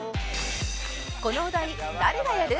このお題誰がやる？